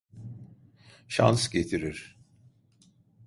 Şans getirir.